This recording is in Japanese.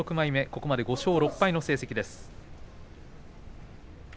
ここまで５勝６敗の成績です。